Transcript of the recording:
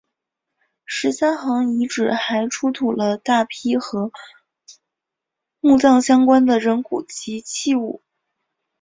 十三行遗址还出土了大批和墓葬相关的人骨及器物。